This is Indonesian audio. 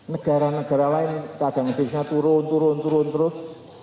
negara negara lain cadangan devisa turun turun turun terus